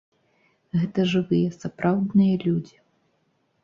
Гэта жывыя, сапраўдныя людзі.